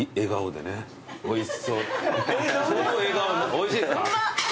おいしいです。